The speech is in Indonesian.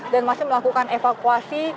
dan masih melakukan evakuasi